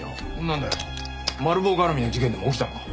なんだよマル暴絡みの事件でも起きたのか？